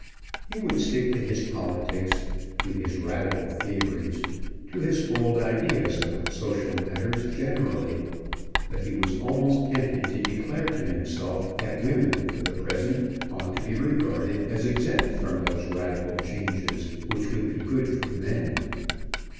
He would stick to his politics, to his Radical theories, to his old ideas about social matters generally; but he was almost tempted to declare to himself that women for the present ought to be regarded as exempt from those radical changes which would be good for men.